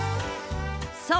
そう！